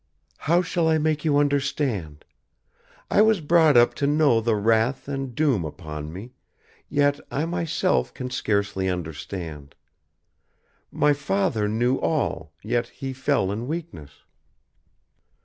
"How shall I make you understand? I was brought up to know the wrath and doom upon me, yet I myself can scarcely understand. My father knew all, yet he fell in weakness."